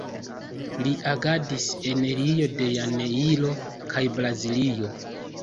Li agadis en Rio de Janeiro kaj Braziljo.